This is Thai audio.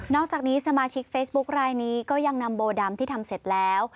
อกจากนี้สมาชิกเฟซบุ๊คลายนี้ก็ยังนำโบดำที่ทำเสร็จแล้ว